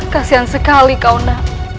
kasian sekali kau nda